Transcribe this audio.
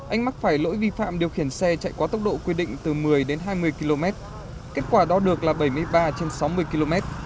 anh mắc phải lỗi vi phạm điều khiển xe chạy quá tốc độ quy định từ một mươi đến hai mươi km kết quả đo được là bảy mươi ba trên sáu mươi km